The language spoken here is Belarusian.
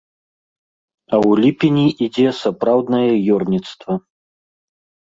А ў ліпені ідзе сапраўднае ёрніцтва.